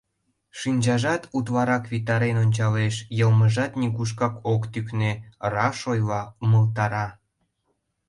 Шинчажат утларак витарен ончалеш, йылмыжат нигушак ок тӱкнӧ — раш ойла, умылтара.